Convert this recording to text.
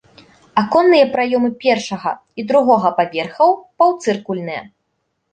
Аконныя праёмы першага і другога паверхаў паўцыркульныя.